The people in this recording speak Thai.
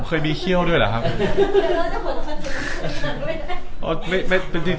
เคยมีเขี้ยวด้วยเหรอครับ